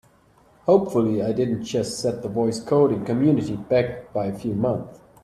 Hopefully I didn't just set the voice coding community back by a few months!